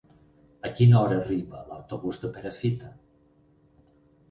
A quina hora arriba l'autobús de Perafita?